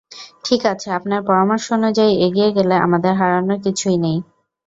ঠিক আছে, আপনার পরামর্শ অনুযায়ী এগিয়ে গেলে আমাদের হারানোর কিছুই নেই।